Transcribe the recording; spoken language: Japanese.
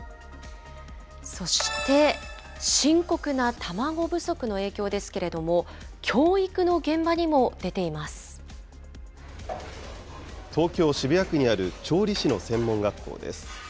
そして、深刻な卵不足の影響ですけれども、教育の現場にも出東京・渋谷区にある調理師の専門学校です。